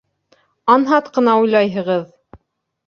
Анһат ҡына уйлайһығыҙ!